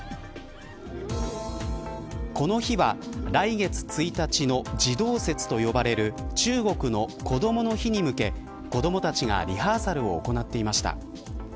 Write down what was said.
この日は来月１日の児童節と呼ばれる中国のこどもの日に向け子どもたちがリハーサルを行っていました。